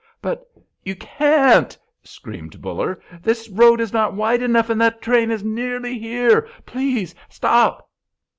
"But you can't!" screamed Buller. "This road is not wide enough, and that train is nearly here. Please stop!"